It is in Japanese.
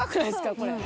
これ。